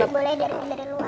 bukan boleh dari luar